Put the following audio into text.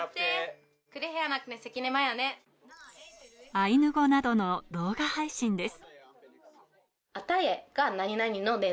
アイヌ語などの動画配信です。